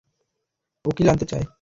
উকিল আনতে চায়!